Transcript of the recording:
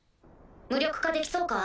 無力化できそうか？